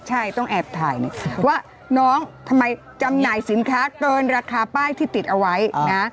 ใช่ต้องแอบถ่ายว่าน้องทำไมจำหน่ายสินค้าเกินราคาป้ายที่ติดเอาไว้นะ